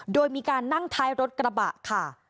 โดยมีการนั่งท้ายรถกระบะค่ะ